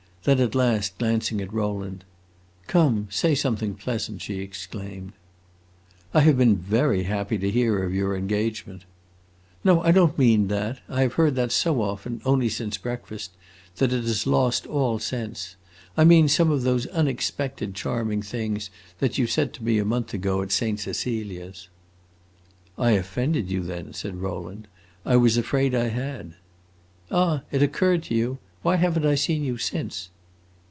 Then at last, glancing at Rowland, "Come! say something pleasant!" she exclaimed. "I have been very happy to hear of your engagement." "No, I don't mean that. I have heard that so often, only since breakfast, that it has lost all sense. I mean some of those unexpected, charming things that you said to me a month ago at Saint Cecilia's." "I offended you, then," said Rowland. "I was afraid I had." "Ah, it occurred to you? Why have n't I seen you since?"